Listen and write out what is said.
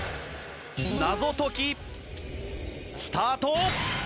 謎解きスタート！